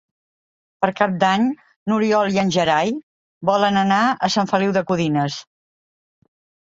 Per Cap d'Any n'Oriol i en Gerai volen anar a Sant Feliu de Codines.